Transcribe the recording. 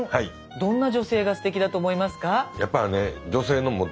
どんな女性がすてきだと思いますか。